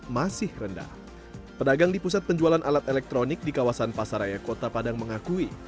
masih rendah pedagang di pusat penjualan alat elektronik di kawasan pasaraya kota padang mengakui